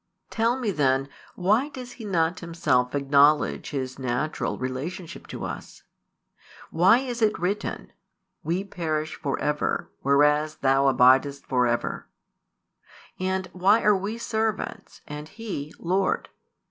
Tell me then, why does He not Himself acknowledge His natural relationship to us? Why is it written: We perish for ever, whereas Thou abidest for ever? And why are we "servants" and He "Lord